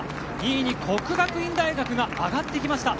２位に國學院大學が上がってきました。